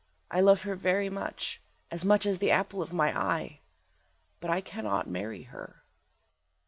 I love her very much, as much as the apple of my eye, but I cannot marry her."